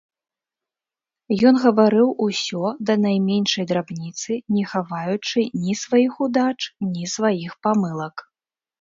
Ён гаварыў усё да найменшай драбніцы, не хаваючы ні сваіх удач, ні сваіх памылак.